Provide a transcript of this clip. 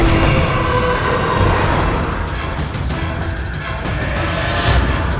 aku akan memaksamu